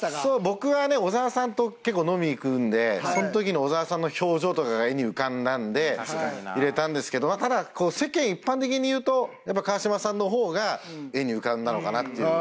僕はね小沢さんと結構飲みに行くんでその時の小沢さんの表情とかが絵に浮かんだんで入れたんですけどただ世間一般的に言うとやっぱ川島さんの方が絵に浮かんだのかなっていう。